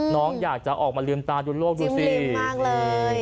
น้องอยากจะออกมาลืมตายุ่นโลกดูสิจิ้มลืมมากเลย